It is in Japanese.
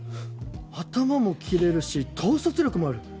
頭も切れるし統率力もある。